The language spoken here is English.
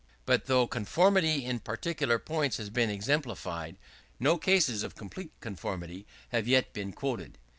But though conformity in particular points has been exemplified, no cases of complete conformity have yet been quoted.